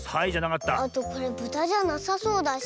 あとこれブタじゃなさそうだし。